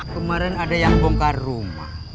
kemarin ada yang bongkar rumah